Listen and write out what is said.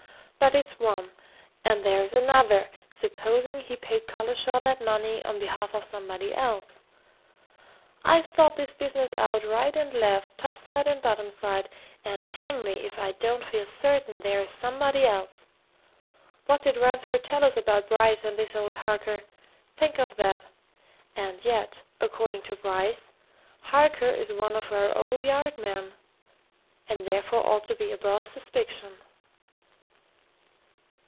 "But it's one. And there's another supposing he paid Collishaw that money on behalf of somebody else? I've thought this business out right and left, top side and bottom side, and hang me if I don't feel certain there is somebody else! What did Ransford tell us about Bryce and this old Harker think of that! And yet, according to Bryce, Harker is one of our old Yard men! and therefore ought to be above suspicion."